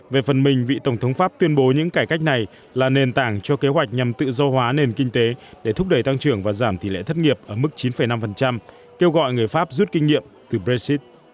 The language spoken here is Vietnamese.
về phần mình vị tổng thống pháp tuyên bố những cải cách này là nền tảng cho kế hoạch nhằm tự do hóa nền kinh tế để thúc đẩy tăng trưởng và giảm tỷ lệ thất nghiệp ở mức chín năm kêu gọi người pháp rút kinh nghiệm từ brexit